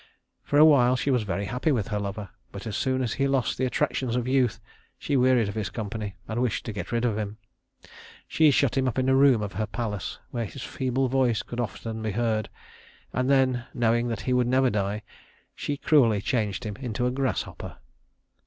For a while she was very happy with her lover, but as soon as he lost the attractions of youth she wearied of his company and wished to get rid of him. She shut him up in a room of her palace, where his feeble voice could often be heard; and then, knowing that he would never die, she cruelly changed him into a grasshopper.